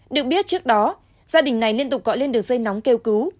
được biết trước đó gia đình này liên tục gọi lên đường dây nóng kêu cứu